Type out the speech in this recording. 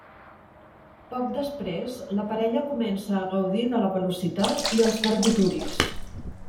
Poc després, la parella comença a gaudir de la velocitat i els barbitúrics.